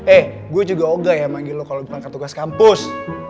eh gue juga oga ya manggil lo kalau berangkat tugas kampus